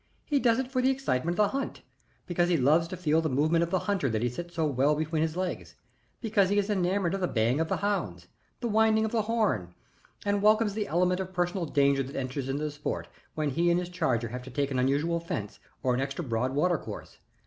He does it for the excitement of the hunt; because he loves to feel the movement of the hunter that he sits so well between his knees; because he is enamoured of the baying of the hounds, the winding of the horn, and welcomes the element of personal danger that enters into the sport when he and his charger have to take an unusual fence or an extra broad watercourse.